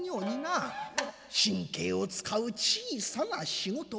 神経を使う小さな仕事。